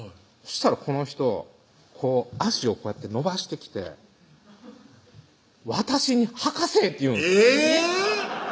したらこの人脚をこうやって伸ばしてきて「私に履かせぇ」って言うんですえぇ！